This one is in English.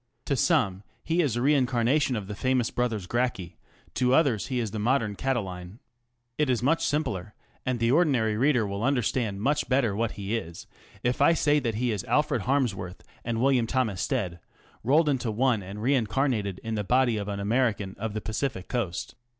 To some he is a reincarnation of the famous brothers Gracchi, to others he is the modern Catiline. It is much simpler, and the ordinary reader will understand much better what he is if I say that he is Alfred Harmsworth and W. T. Stead rolled into one and reincarnated in the body of an American of the Pacific Coast.